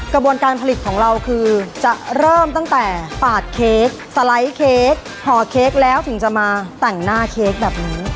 กระบวนการผลิตของเราคือจะเริ่มตั้งแต่ปาดเค้กสไลด์เค้กห่อเค้กแล้วถึงจะมาแต่งหน้าเค้กแบบนี้